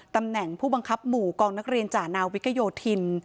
ตำแหน่งผู้บังคับหมู่กองนักเรียนจ่านาวิกโยธิน